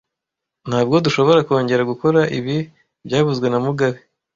Ntabwo dushobora kongera gukora ibi byavuzwe na mugabe